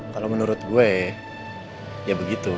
kalau menurut gue ya begitu